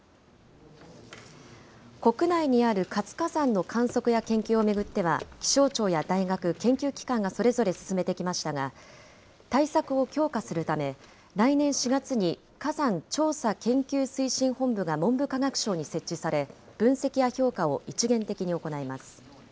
国内にある活火山の観測や研究を巡っては、気象庁や大学、研究機関がそれぞれ進めてきましたが、対策を強化するため、来年４月に、火山調査研究推進本部が文部科学省に設置され、分析や評価を一元的に行います。